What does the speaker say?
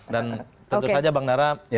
dan tentu saja bang nara